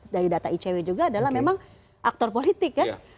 dari data icw juga adalah memang aktor politik kan